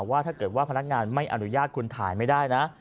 ว่าถ้าเกิดว่าพนักงานไม่อนุญาตคุณถ่ายไม่ได้นะ